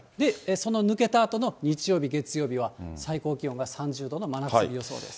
その抜けたあとの日曜日、月曜日は最高気温が３０度の真夏日予想です。